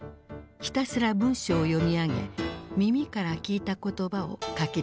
ひたすら文章を読み上げ耳から聞いた言葉を書き出させた。